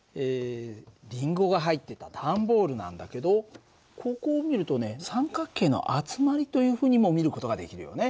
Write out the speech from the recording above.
りんごが入ってた段ボールなんだけどここを見るとね三角形の集まりというふうにも見る事ができるよね。